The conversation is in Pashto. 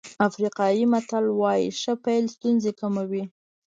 افریقایي متل وایي ښه پيل ستونزې کموي.